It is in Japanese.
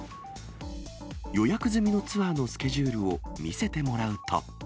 予約済みのツアーのスケジュールを見せてもらうと。